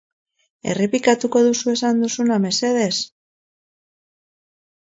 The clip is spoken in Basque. Errepikatuko duzu esan duzuna, mesedez?